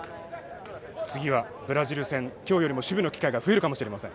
次はブラジル戦今日より守備機会が増えるかもしれません。